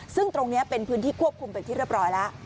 ซึ่งตรงนี้เป็นพื้นที่ควบคุมเป็นที่เรียบร้อยแล้ว